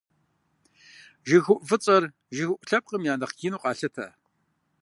ЖыгыуӀу фӀыцӀэр, жыгыуӀу лъэпкъхэм я нэхъ ину къалъытэ.